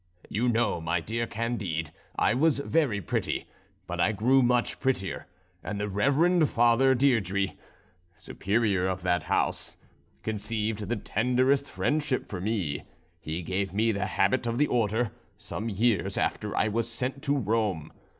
You know, my dear Candide, I was very pretty; but I grew much prettier, and the reverend Father Didrie, Superior of that House, conceived the tenderest friendship for me; he gave me the habit of the order, some years after I was sent to Rome.